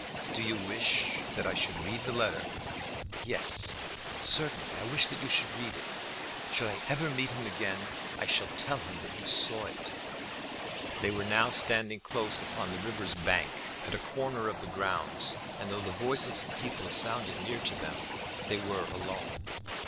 "Do you wish that I should read the letter?" "Yes, certainly. I wish that you should read it. Should I ever meet him again, I shall tell him that you saw it." They were now standing close upon the river's bank, at a corner of the grounds, and, though the voices of people sounded near to them, they were alone.